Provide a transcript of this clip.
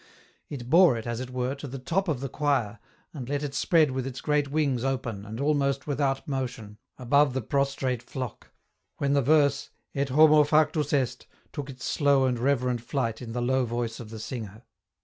It bore it, as it were, to the top of the 26 EN ROUTE. choir, and let it spread with its great wings open and almost without motion, above the prostrate flock, when the verse " Et homo factus est " took its slow and reverent flight in the low voice of the singer.